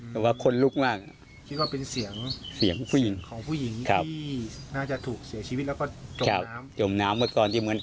แต่ว่าคนลุกมาก